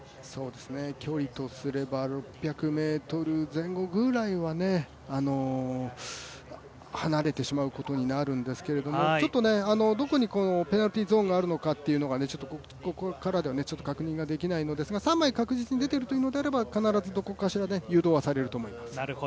距離とすれば６００ｍ前後ぐらいはね、離れてしまうことになるんですけれども、ちょっとどこにペナルティーゾーンがあるのかというのがここからでは確認ができないのですが、３枚確実に出ているのであれば必ずどこかしらで誘導はされると思います。